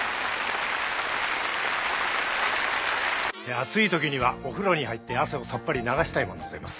暑いときにはお風呂に入って汗をさっぱり流したいもんでございます。